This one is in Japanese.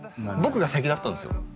僕が先だったんですよ